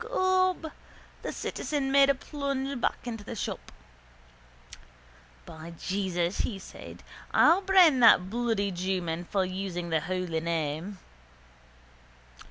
Gob, the citizen made a plunge back into the shop. —By Jesus, says he, I'll brain that bloody jewman for using the holy name.